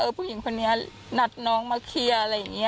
ผู้หญิงคนนี้นัดน้องมาเคลียร์อะไรอย่างนี้